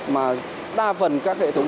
mà đa phần các hệ thống